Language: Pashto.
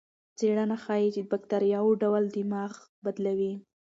څېړنه ښيي چې د بکتریاوو ډول دماغ بدلوي.